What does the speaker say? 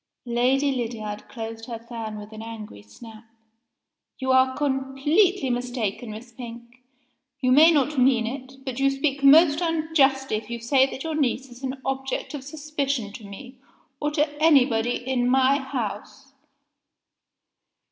Lady Lydiard closed her fan with an angry snap. "You are completely mistaken, Miss Pink. You may not mean it but you speak most unjustly if you say that your niece is an object of suspicion to me, or to anybody in my house."